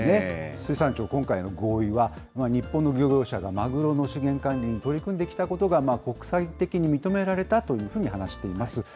水産庁、今回の合意は、日本の漁業者がマグロの資源管理に取り組んできたことが、国際的に認められたというふうに話しています。